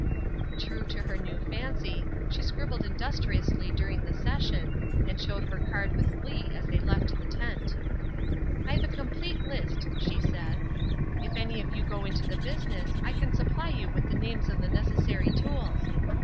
True to her new fancy, she scribbled industriously during the session, and showed her card with glee as they left the tent. "I've a complete list," she said. "If any of you go into the business I can supply you with the names of the necessary tools.